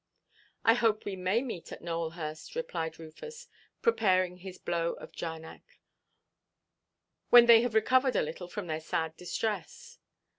"I hope we may meet at Nowelhurst," replied Rufus, preparing his blow of Jarnac, "when they have recovered a little from their sad distress."